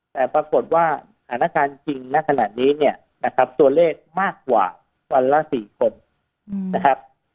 แต่ปรากฏว่าสถานการณ์จริงณขณะนี้เนี่ยนะครับตัวเลขมากกว่าวันละ๔คนนะครับ